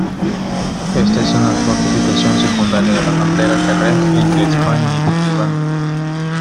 Esta es una fortificación secundaria de la frontera terrestre entre España y Portugal.